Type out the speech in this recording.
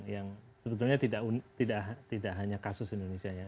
yang sebetulnya tidak hanya kasus indonesia ya